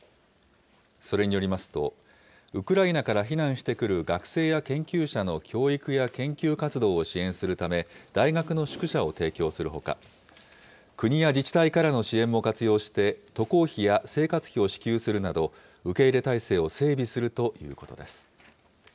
それによりますと、ウクライナから避難してくる学生や研究者の教育や研究活動を支援するため、大学の宿舎を提供するほか、国や自治体からの支援も活用して、渡航費や生活費を支給するなど、受け入れ体制を整備するということです。